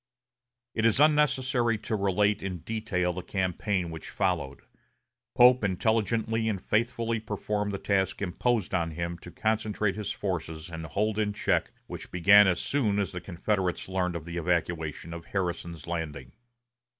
It is unnecessary to relate in detail the campaign which followed. Pope intelligently and faithfully performed the task imposed on him to concentrate his forces and hold in check the advance of the enemy, which began as soon as the Confederates learned of the evacuation of Harrison's Landing.